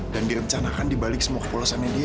dan direncanakan dibalik semua kepolosannya dia